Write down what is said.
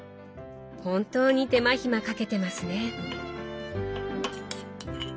本当に手間暇かけてますね。